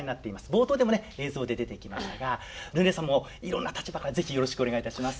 冒頭でもね映像で出てきましたがルネさんもいろんな立場から是非よろしくお願いいたします。